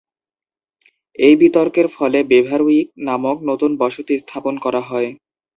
এই বিতর্কের ফলে বেভারউইক নামক নতুন বসতি স্থাপন করা হয়।